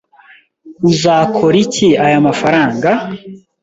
Uzakora iki aya mafaranga?